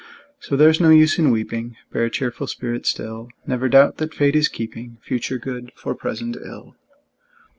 So there's no use in weeping, Bear a cheerful spirit still; Never doubt that Fate is keeping Future good for present ill!